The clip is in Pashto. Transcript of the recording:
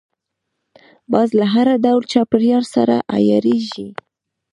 باز له هر ډول چاپېریال سره عیارېږي